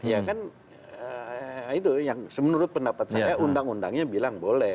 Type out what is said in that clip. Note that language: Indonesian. ya kan itu yang menurut pendapat saya undang undangnya bilang boleh